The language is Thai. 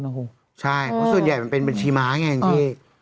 ใช่เพราะส่วนใหญ่มันเป็นบัญชีม้าไง